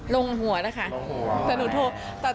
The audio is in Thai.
ลงหัวล่ะค่ะลงหัวแต่หนูโทรมา